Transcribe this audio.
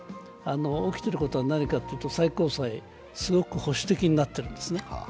起きていることは何かというと、最高裁、すごく保守的になっているんですね。